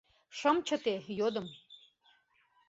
Шым чыте, йодым: